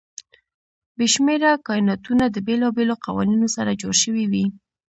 بې شمېره کایناتونه د بېلابېلو قوانینو سره جوړ شوي وي.